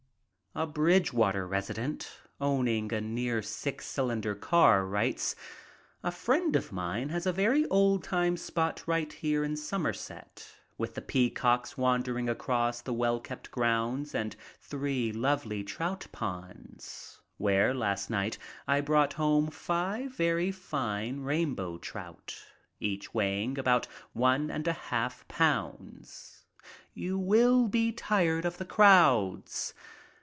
A Bridgewater resident owning, a new six cylinder car writes: "A friend of mine has a very old time spot right here in Somerset, with the peacocks wandering across the well kept grounds and three lovely trout ponds, where last night I brought home five very fine rainbow trout each weigh ing about one and a half pounds. You will be tired of the crowds.